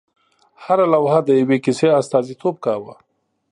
هره لوحه د یوې کیسې استازیتوب کاوه.